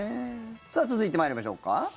さあ、続いて参りましょうか？